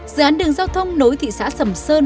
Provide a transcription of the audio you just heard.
dự án đường giao thông nối thị xã sầm sơn